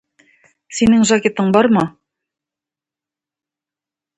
Синең жакетың бармы?